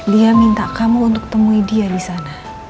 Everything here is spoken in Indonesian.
dia minta kamu untuk temui dia disana